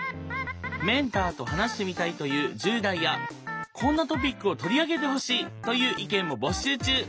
メンターと話してみたいという１０代やこんなトピックを取り上げてほしいという意見も募集中！